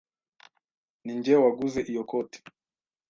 Ninjye waguze iyo koti.